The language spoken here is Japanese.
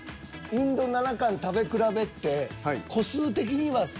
インド７貫食べ比べって個数的には。